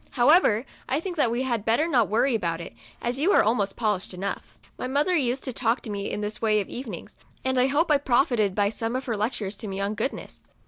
However, I think that we had better not worry about it, as you are almost polished enough." My mother used to talk to me in this way of evenings, and I hope I profited by some of her lec tures to me on goodness.